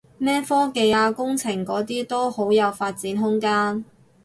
咩科技啊工程嗰啲都好有發展空間